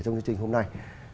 trong chương trình hôm nay